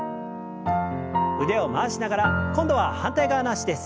腕を回しながら今度は反対側の脚です。